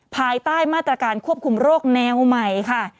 ภายใต้มาตรการควบคุมโรคแนวใหม่ค่ะ